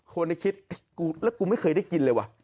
ควรจะคิดแล้วกูไม่เคยได้กินเลยว่ะ